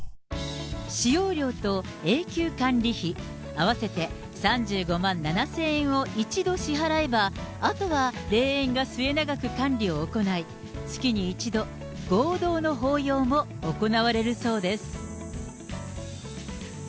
使用料と永久管理費、合わせて３５万７０００円を一度支払えばあとは霊園が末永く管理を行い、月に１度、合同の法要も行われるそうです。